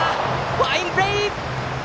ファインプレー！